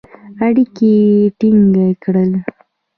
اړیکي یې ټینګ کړل.